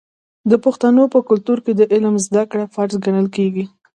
د پښتنو په کلتور کې د علم زده کړه فرض ګڼل کیږي.